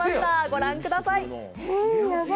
ご覧ください。